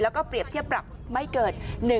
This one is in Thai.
แล้วก็เปรียบเทียบปรับไม่เกิน